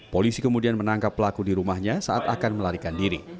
polisi kemudian menangkap pelaku di rumahnya saat akan melarikan diri